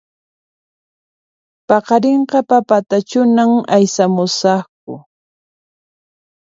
Paqarinqa papatachunan aysamusaqku